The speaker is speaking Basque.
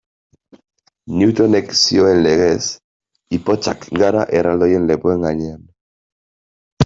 Newtonek zioen legez, ipotxak gara erraldoien lepoen gainean.